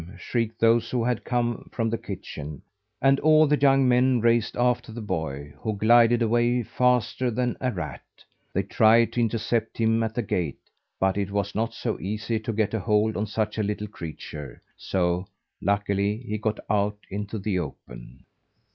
shrieked those who had come from the kitchen; and all the young men raced after the boy, who glided away faster than a rat. They tried to intercept him at the gate, but it was not so easy to get a hold on such a little creature, so, luckily, he got out in the open.